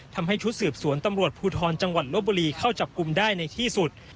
ทำให้ชุดสืบสวนตำรวจภูทรจังหวัดลบบุรีเข้าจับกลุ่มได้ในที่สุด